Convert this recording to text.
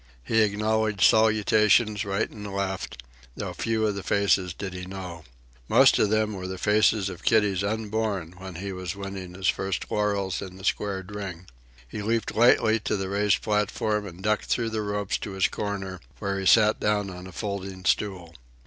He acknowledged salutations right and left, though few of the faces did he know. Most of them were the faces of kiddies unborn when he was winning his first laurels in the squared ring. He leaped lightly to the raised platform and ducked through the ropes to his corner, where he sat down on a folding stool.